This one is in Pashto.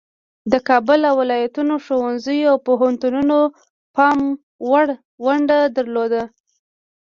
د کابل او ولایاتو ښوونځیو او پوهنتونونو پام وړ ونډه درلوده.